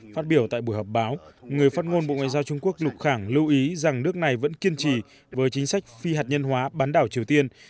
phát biểu tại buổi họp báo người phát ngôn bộ ngoại giao trung quốc lục khẳng lưu ý rằng nước này vẫn kiên trì với chính sách phi hạt nhân hóa bán đảo triều tiên